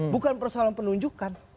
bukan persoalan penunjukan